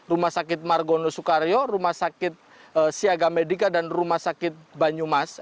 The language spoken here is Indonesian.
rumah sakit margono soekario rumah sakit siaga medica dan rumah sakit banyumas